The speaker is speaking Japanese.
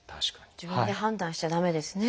自分で判断しちゃ駄目ですね。